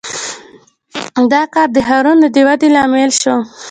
• دا کار د ښارونو د ودې لامل شو.